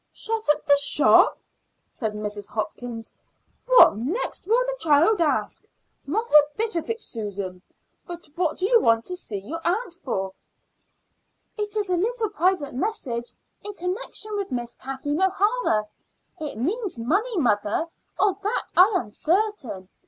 "Shut up the shop!" said Mrs. Hopkins. "What next will the child ask? Not a bit of it, Susan. But what do you want to see your aunt for?" "It is a little private message in connection with Miss Kathleen O'Hara. It means money, mother; of that I am certain.